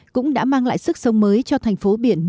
cũng đã mang lại sức sông mới cho thành phố biển